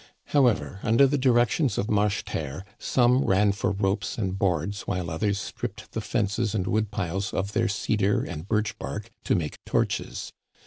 However, under the directions of Marcheterre, some ran for ropes and boards while others stripped the fences and wood piles of their cedar and birch bark to make torches.